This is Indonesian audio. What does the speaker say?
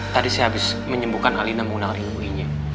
tadi saya habis menyembuhkan alina menggunakan ilmu inyek